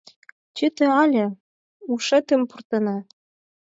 Чыте але, ушетым пуртена!